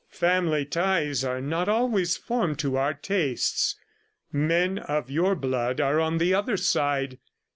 Family ties are not always formed to our tastes. Men of your blood are on the other side.